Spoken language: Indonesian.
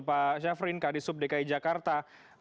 pak syafrin kadis sub dki jakarta